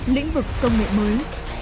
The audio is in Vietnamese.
lĩnh vực công nghệ mới